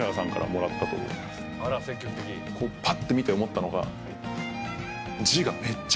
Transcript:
ぱって見て思ったのが。